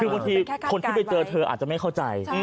คือบางทีคนที่ไปเจอเธออาจจะไม่เข้าใจ